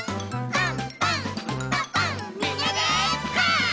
パン！